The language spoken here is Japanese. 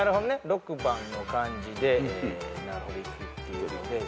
６番の感じでいくっていうので。